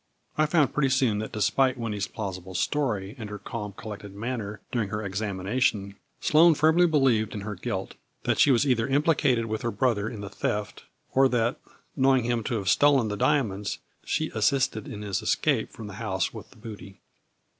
I found pretty soon that despite Winnie's plausible story, and her calm collected manner during her examination, Sloane firmly believed in her guilt ; that she was either implicated with her brother in the theft, or that, knowing him to have stolen the diamonds, she assisted in his escape from the house with the booty.